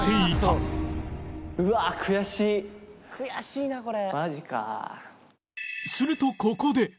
「悔しいなこれ」